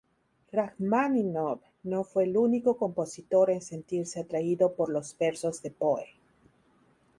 Rajmáninov no fue el único compositor en sentirse atraído por los versos de Poe.